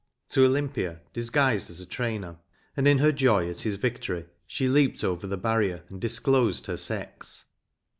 to Olympia disguised as a trainer, and in her joy at his victory she leaped over the barrier and disclosed her sex.